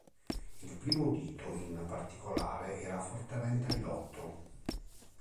Il primo dito, in particolare, era fortemente ridotto.